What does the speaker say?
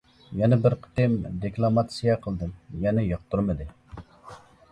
يەنە بىر قېتىم دېكلاماتسىيە قىلدىم، يەنە ياقتۇرمىدى.